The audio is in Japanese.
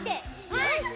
はい！